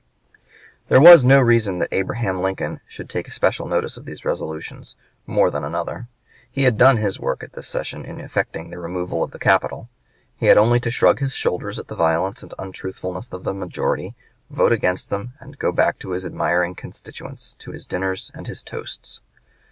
There was no reason that Abraham Lincoln should take especial notice of these resolutions, more than another. He had done his work at this session in effecting the removal of the capital. He had only to shrug his shoulders at the violence and untruthfulness of the majority, vote against them, and go back to his admiring constituents, to his dinners and his toasts.